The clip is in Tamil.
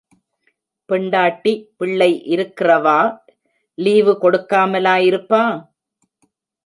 பெண்டாட்டி, பிள்ளை இருக்கிறவா லீவு கொடுக்காமலா இருப்பா?